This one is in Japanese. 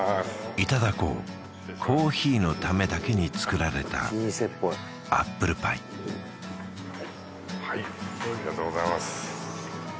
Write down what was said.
いただこうコーヒーのためだけに作られたアップルパイはいありがとうございます